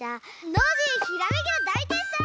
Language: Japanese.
ノージーひらめきのだいてんさい！